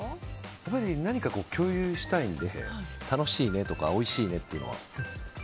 やっぱり何か共有したいので楽しいねとかおいしいねというのは。